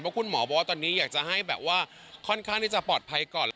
เพราะคุณหมอบอกว่าตอนนี้อยากจะให้แบบว่าค่อนข้างที่จะปลอดภัยก่อน